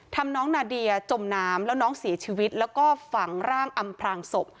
น้องนาเดียจมน้ำแล้วน้องเสียชีวิตแล้วก็ฝังร่างอำพลางศพ